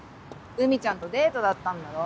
久美ちゃんとデートだったんだろ？